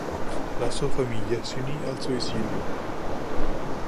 La sua famiglia si unì al suo esilio.